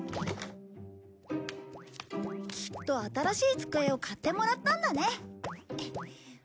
きっと新しい机を買ってもらったんだね。